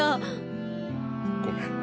ごめん。